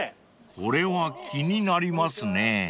［これは気になりますね］